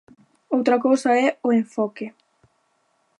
Outra cousa é o enfoque.